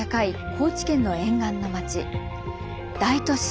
高知県の沿岸の町大都市